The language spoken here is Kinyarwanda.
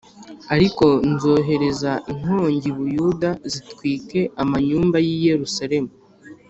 Ariko nzohereza inkongi i Buyuda zitwike amanyumba y’i Yerusalemu.”